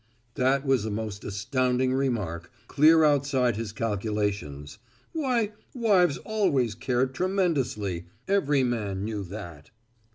That was a most astounding remark, clear outside his calculations. Why wives always cared tremendously. Every man knew that.